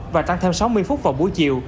và tăng thêm sáu mươi phút vào buổi chiều